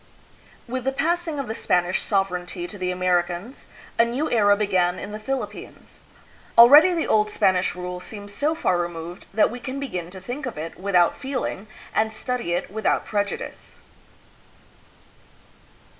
With the passing of the Spanish sovereignty to the Americans, a new era began in the Philippines. Already the old Spanish rule seems so far removed that we can begin to think of it without feeling and study it without prejudice.